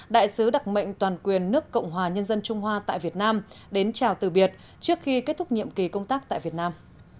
đại sứ đặc mệnh toàn quyền nước cộng hòa nhân dân trung hoa tại việt nam đến chào từ biệt trước khi kết thúc nhiệm kỳ công tác tại việt nam